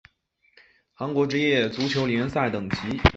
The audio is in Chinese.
韩国职业足球联赛等级